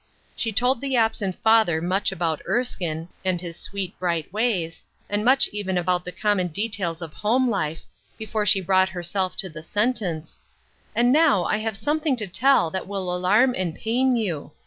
She told the absent father much about Erskine, and his sweet, bright ways, and much even about the common details of home life, before she brought herself to the sentence :" And now, I have something to tell that will alarm and pain you.